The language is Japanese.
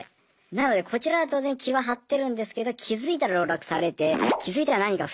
なのでこちらは当然気は張ってるんですけど気づいたら籠絡されて気づいたら何か不正をしてたみたいな。